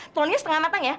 telurnya setengah matang ya